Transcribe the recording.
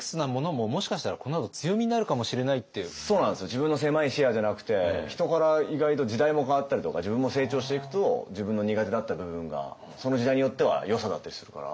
自分の狭い視野じゃなくて人から意外と時代も変わったりとか自分も成長していくと自分の苦手だった部分がその時代によってはよさだったりするから。